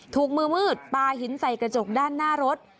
มือมืดปลาหินใส่กระจกด้านหน้ารถ